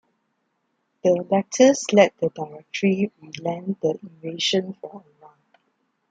The letters let the Directory relent the invasion for a while.